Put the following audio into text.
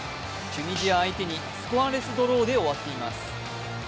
チュニジア相手にスコアレスドローで終わっています。